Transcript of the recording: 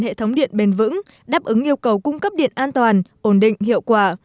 hệ thống điện bền vững đáp ứng yêu cầu cung cấp điện an toàn ổn định hiệu quả